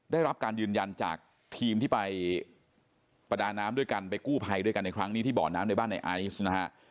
ได้รับการยืนยันจากทีมที่ไปประดาน้ำด้วยกันไปกู้ภัยด้วยกันในครั้งนี้ที่บ่อน้ำในบ้านในไอซ์นะฮะ